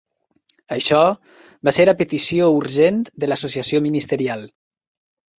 Això va ser a petició urgent de l'Associació Ministerial.